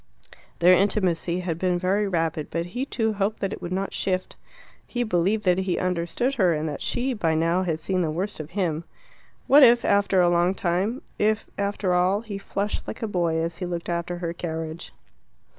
Their intimacy had been very rapid, but he too hoped that it would not shift. He believed that he understood her, and that she, by now, had seen the worst of him. What if after a long time if after all he flushed like a boy as he looked after her carriage.